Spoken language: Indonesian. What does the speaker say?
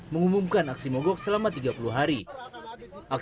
mengumumkan aksi mogok